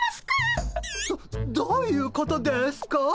どどういうことですか？